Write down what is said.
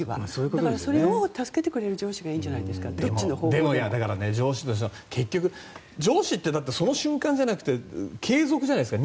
だからそれを助けてくれる上司がいいんじゃないですか上司としてはその瞬間じゃなくて継続じゃないですか。